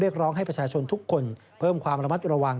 ร้องให้ประชาชนทุกคนเพิ่มความระมัดระวัง